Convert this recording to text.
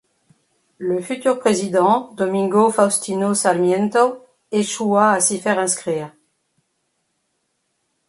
Le futur président Domingo Faustino Sarmiento échoua à s’y faire inscrire.